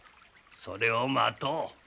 それを待とう。